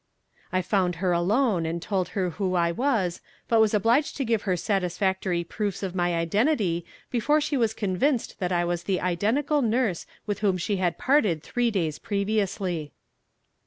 I found her alone and told her who I was, but was obliged to give her satisfactory proofs of my identity before she was convinced that I was the identical nurse with whom she had parted three days previously.